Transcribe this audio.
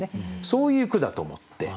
そういう句だと思って。